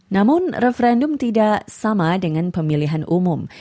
namun referendum tidak sama dengan pemilihan umum